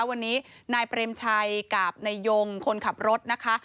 วันนี้นายเปรมชัยกับนายยงคนขับรถนะคะ